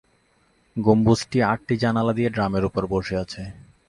গম্বুজটি আটটি জানালা দিয়ে ড্রামের উপর বসে আছে।